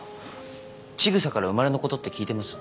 千草から生まれのことって聞いてます？